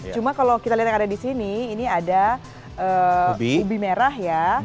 cuma kalau kita lihat yang ada di sini ini ada ubi merah ya